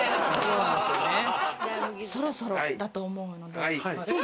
そろそろだと思うので。